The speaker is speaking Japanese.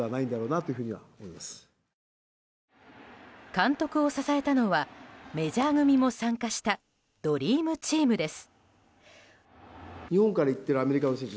監督を支えたのはメジャー組も参加したドリームチームです。